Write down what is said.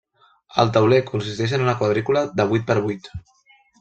El tauler consisteix en una quadrícula de vuit per vuit.